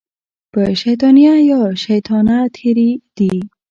په شیطانیه تر شیطانه تېرې دي